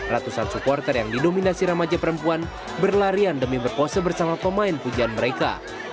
ratusan supporter yang didominasi remaja perempuan berlarian demi berpose bersama pemain pujian mereka